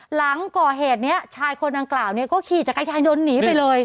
หลังก่อเหตุนี้ชายคนดังกล่าวเนี่ยก็ขี่จักรยานยนต์หนีไปเลย